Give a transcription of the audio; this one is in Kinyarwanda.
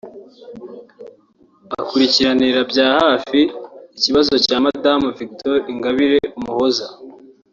Akurikiranira bya hafi ikibazo cya Madame Victoire Ingabire Umuhoza